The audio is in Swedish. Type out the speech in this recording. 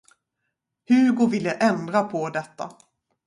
Hugo ville ändra på detta.